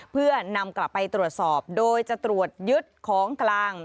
เพื่อนำกลับไปตรวจสอบโดยจะตรวจยึดของกลาง